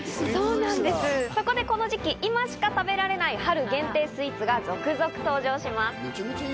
そこでこの時期、今しか食べられない春限定スイーツが続々登場します。